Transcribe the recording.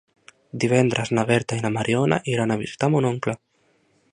Divendres na Berta i na Mariona iran a visitar mon oncle.